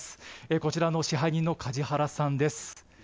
こちらの支配人の梶原さんです。